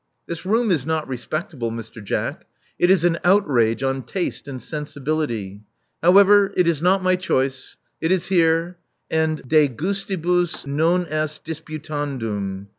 This room is not respectable, Mr. Jack : it is an outrage on taste and sensibilty. How ever, it is not my choice: it is hers; and de gustibus non est disputandum.